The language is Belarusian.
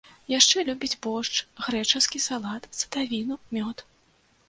Яшчэ любіць боршч, грэчаскі салат, садавіну, мёд.